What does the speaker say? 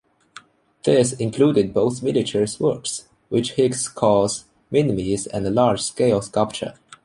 This included both miniature works, which Hicks calls "minimes" and large scale sculpture.